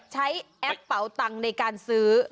ใช้แอปเป๋าตังในการซื้อเออ